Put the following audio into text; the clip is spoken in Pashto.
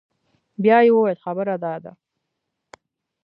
بيا يې وويل خبره دا ده.